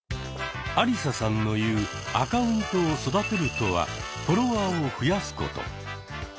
アリサさんのいう「アカウントを育てる」とはフォロワーを増やすこと。